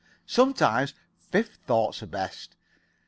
Sometimes fifth thoughts are best.